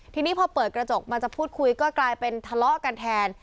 ทีนี้พอเปิดกระจกมาจะพูดคุยก็กลายเป็นทะเลาะกันแทน